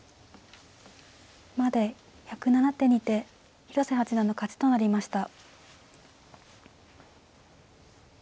まで１０７手にて広瀬八段の勝ちとなりました。